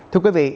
thưa quý vị